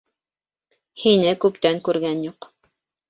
Һине күптән күргән юҡ.